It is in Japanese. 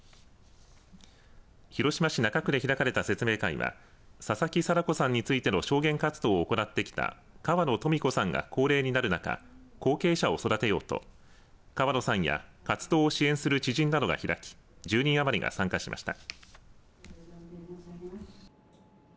広島市中区で開かれた説明会は佐々木禎子さんについての証言活動を行ってきた川野登美子さんが高齢になる中後継者を育てようと川野さんや活動を支援する知人などが開き１０人余りが参加しました。